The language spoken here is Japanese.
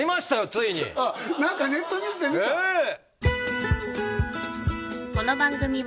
ついにあっ何かネットニュースで見たええ！